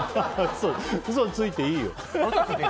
嘘、ついていいよ。